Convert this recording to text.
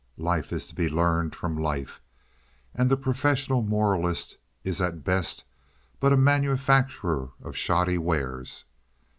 Life is to be learned from life, and the professional moralist is at best but a manufacturer of shoddy wares.